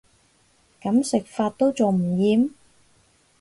噉食法都仲唔厭